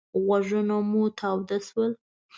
غوږونه مو تاوده شول.